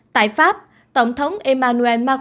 tại pháp tổng thống emmanuel macron